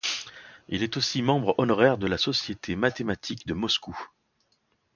Il est aussi membre honoraire de la Société mathématique de Moscou.